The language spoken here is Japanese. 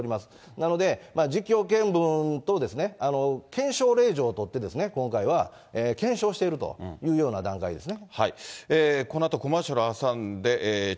なので、実況見分と、検証令状を取って、今回は、検証しているというような段階ですね。